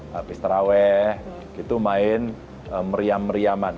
habis terawih gitu main meriam meriaman